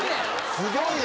すごいよ。